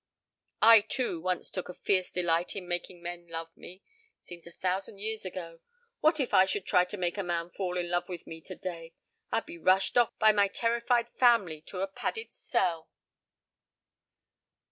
I too once took a fierce delight in making men love me. It seems a thousand years ago. What if I should try to make a man fall in love with me today? I'd be rushed off by my terrified family to a padded cell."